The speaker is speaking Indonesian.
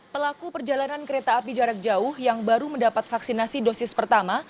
pelaku perjalanan kereta api jarak jauh yang baru mendapat vaksinasi dosis pertama